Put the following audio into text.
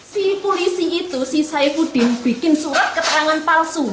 si polisi itu si saipudin bikin surat keterangan palsu